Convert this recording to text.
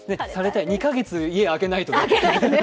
２か月、家空けないとね。